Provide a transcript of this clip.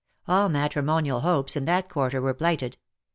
All matrimonial hopes in that quarter were blighted.